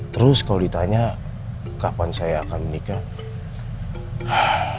terus kalau ditanya kapan saya akan menikah